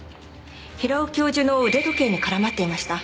平尾教授の腕時計に絡まっていました。